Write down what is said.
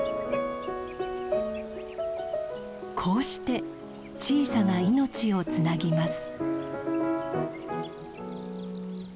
こうして小さな命をつなぎます。